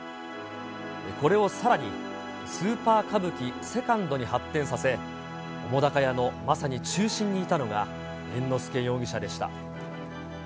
これをさらに、スーパー歌舞伎セカンドに発展させ、澤瀉屋のまさに中心にいたのが猿之助容疑者でした。